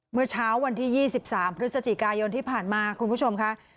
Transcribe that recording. เมื่อเช้าวันที่๒๓พฤศจิกายนที่ผ่านมาคุณผู้ชมค่ะ